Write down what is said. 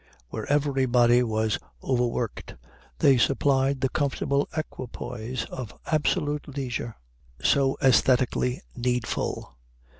Where everybody was overworked, they supplied the comfortable equipoise of absolute leisure, so æsthetically needful.